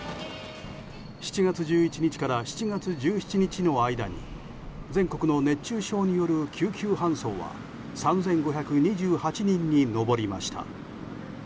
７月１１日から７月１７日の間に全国の熱中症による救急搬送は３５２８人に上りました。